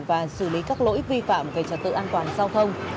và xử lý các lỗi vi phạm về trật tự an toàn giao thông